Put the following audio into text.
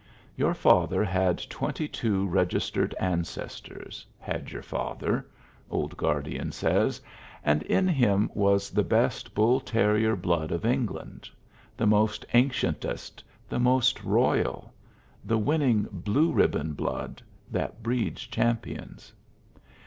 "Your father had twenty two registered ancestors, had your father," old Guardian says, "and in him was the best bull terrier blood of England, the most ancientest, the most royal; the winning 'blue ribbon' blood, that breeds champions.